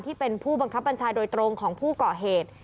ที่เป็นผู้บังคับบัญชาโดยตรงของผู้ก่อเหตุ